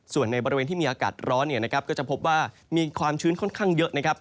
ส่วนในบริเวณที่มีอากาศร้อนก็จะพบว่ามีความชื้นค่อนข้างเยอะ